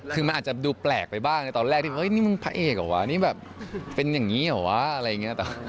คือมันอาจจะดูแปลกไปบ้างในตอนแรกที่เฮ้ยนี่มึงพระเอกเหรอวะนี่แบบเป็นอย่างนี้เหรอวะอะไรอย่างนี้